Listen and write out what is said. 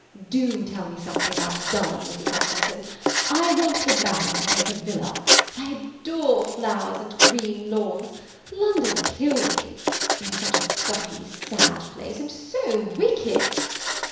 "Do tell me something about Dulham, Mrs. Hopkinson. I want the Baron to take a villa. I adore flowers and green lawns; London kills me. It is such a stuffy, sad place, and so wicked!"